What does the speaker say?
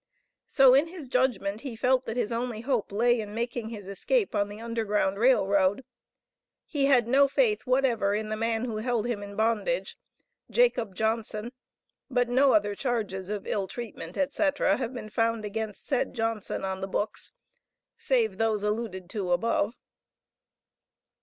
So in his judgment he felt that his only hope lay in making his escape on the Underground Rail Road. He had no faith whatever in the man who held him in bondage, Jacob Johnson, but no other charges of ill treatment, &c., have been found against said Johnson on the books, save those alluded to above.